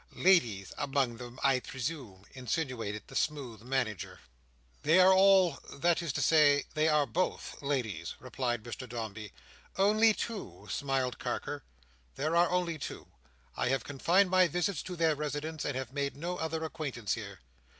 "Ladies among them, I presume?" insinuated the smooth Manager. "They are all—that is to say, they are both—ladies," replied Mr Dombey. "Only two?" smiled Carker. "They are only two. I have confined my visits to their residence, and have made no other acquaintance here."